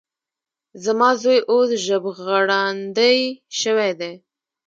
زما زوی اوس ژبغړاندی شوی دی.